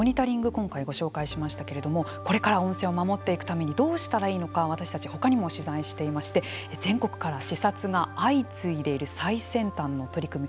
このモニタリング今回ご紹介しましたけれどもこれから温泉を守っていくためにどうしたらいいのか私たち、他にも取材していまして全国から視察が相次いでいる最先端の取り組み。